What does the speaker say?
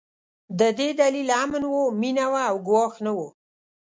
د دې دلیل امن و، مينه وه او ګواښ نه و.